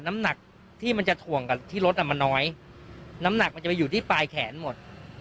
น้ำหนักที่มันจะถ่วงกับที่รถอ่ะมันน้อยน้ำหนักมันจะไปอยู่ที่ปลายแขนหมด